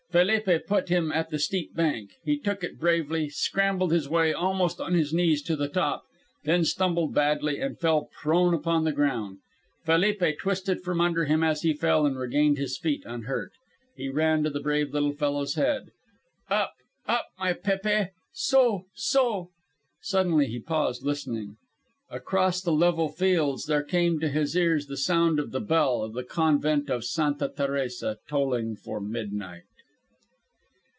Felipe put him at the steep bank. He took it bravely, scrambled his way almost on his knees to the top, then stumbled badly and fell prone upon the ground. Felipe twisted from under him as he fell and regained his feet unhurt. He ran to the brave little fellow's head. "Up, up, my Pépe. Soh, soh." Suddenly he paused, listening. Across the level fields there came to his ears the sound of the bell of the convent of Santa Teresa tolling for midnight.